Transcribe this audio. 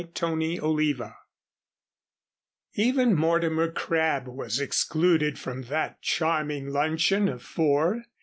CHAPTER XX Even Mortimer Crabb was excluded from that charming luncheon of four.